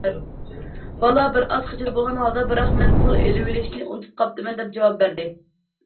بالا بىرئاز خىجىل بولغان ھالدا:« بىراق مەن پۇل ئېلىۋېلىشنى ئۇنتۇپ قاپتىمەن» دەپ جاۋاب بەردى.